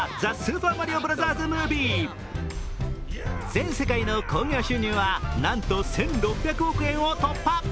全世界の興行収入はなんと１６００億円を突破。